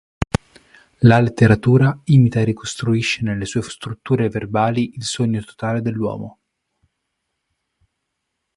La letteratura imita e ricostruisce nelle sue strutture verbali "il sogno totale dell'uomo".